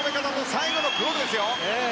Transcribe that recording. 最後のクロールですよ！